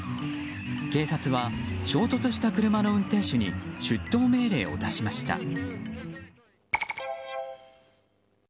警察は衝突した車の運転手に出頭命令を出しました。